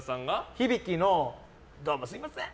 響のどうもすみません！